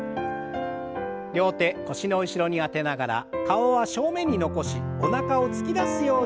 両手腰の後ろに当てながら顔は正面に残しおなかを突き出すようにして